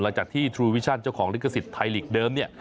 หลังจากที่ทรูวิชั่นเจ้าของลิขสิทธิ์ไทยลีกเดิมเนี่ย